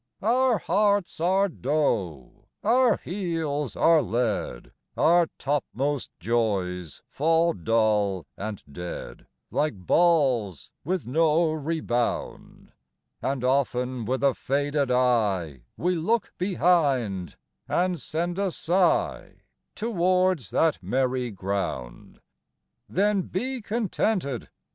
XIX. Our hearts are dough, our heels are lead, Our topmost joys fall dull and dead Like balls with no rebound! And often with a faded eye We look behind, and send a sigh Towards that merry ground! XX. Then be contented.